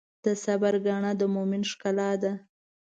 د صبر ګاڼه د مؤمن ښکلا ده.